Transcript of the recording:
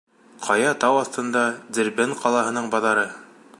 Ҡая-тау аҫтында — Дербент ҡалаһының баҙары.